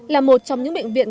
là một trong những bệnh viện